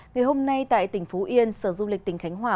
ngày hôm nay tại tỉnh phú yên sở du lịch tỉnh khánh hòa